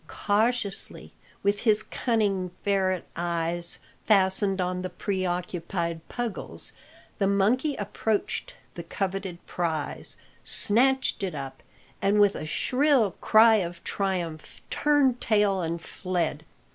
Cautiously, with his cunning ferret eyes fastened on the preoccupied Puggles, the monkey approached the coveted prize, snatched it up, and with a shrill cry of triumph turned tail and fled.